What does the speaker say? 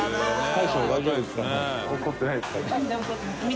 大将大丈夫ですかね？